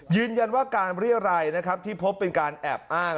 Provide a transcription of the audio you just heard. ยืนยันว่าการเรียรัยนะครับที่พบเป็นการแอบอ้าง